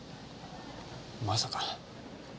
まさか。